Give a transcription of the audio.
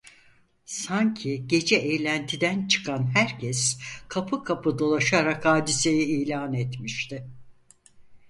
Sanki gece eğlentiden çıkan herkes kapı kapı dolaşarak hadiseyi ilan etmişti.